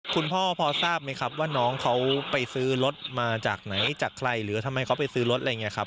คุณพ่อพอทราบไหมครับว่าน้องเขาไปซื้อรถมาจากไหนจากใครหรือทำไมเขาไปซื้อรถอะไรอย่างนี้ครับ